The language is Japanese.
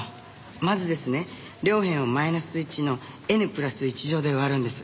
まずですね両辺を−１のｎ＋１乗で割るんです。